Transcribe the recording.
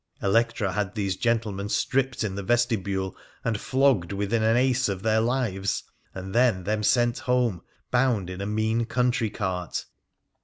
Electra had those gentlemen stripped in the vestibule, and flogged within an ace of their lives, and then them sent home, bound, in a mean country cart.